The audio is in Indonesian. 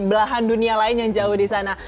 belahan dunia lain yang jauh disana